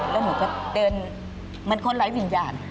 แล้วหนูก็เดินเหมือนคนไร้วิญญาณ